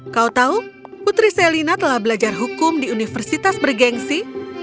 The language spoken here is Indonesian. kau tahu putri selina telah belajar hukum di universitas bergensi